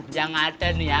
yang ada nih ya